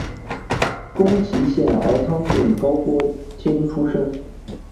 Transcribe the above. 宫崎县儿汤郡高锅町出身。